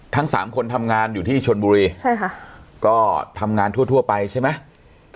ทั้งสามคนทำงานอยู่ที่ชนบุรีใช่ค่ะก็ทำงานทั่วทั่วไปใช่ไหม